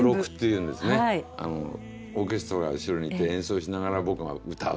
オーケストラが後ろにいて演奏しながら僕が歌う。